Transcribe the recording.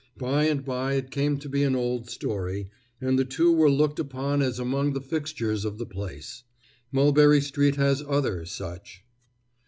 By and by it came to be an old story, and the two were looked upon as among the fixtures of the place. Mulberry street has other such.